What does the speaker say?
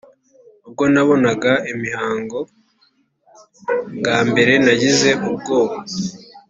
ubwo nabonaga imihango bwa mbere nagize ubwoba,